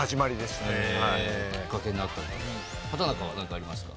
畠中は何かありますか？